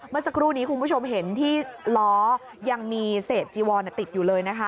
เมื่อสักครู่นี้คุณผู้ชมเห็นที่ล้อยังมีเศษจีวอนติดอยู่เลยนะคะ